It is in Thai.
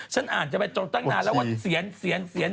ฉันอ่านจะไปจบตั้งนานแล้วว่าเสียนเสียนเสียน